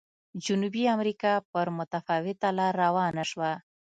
جنوبي امریکا پر متفاوته لار روانه شوه.